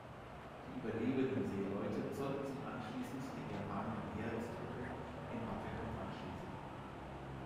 Die überlebenden Seeleute sollten sich anschließend den japanischen Heerestruppen im Abwehrkampf anschließen.